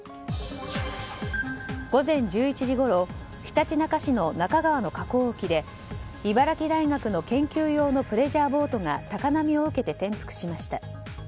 午前１１時ごろ、ひたちなか市の那珂川の河口沖で茨城大学の研究用のプレジャーボートが高波を受けて転覆しました。